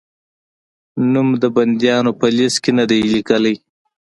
نوم د بندیانو په لېسټ کې نه شې لیکلای؟